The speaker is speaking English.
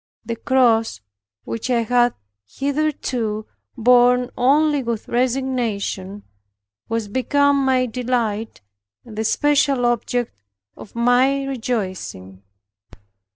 The cross, which I had hitherto borne only with resignation, was become my delight, and the special object of my rejoicing.